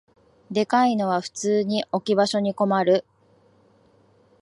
でかいのは普通に置き場所に困る